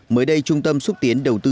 mới đây trung tâm xúc tiến đầu tư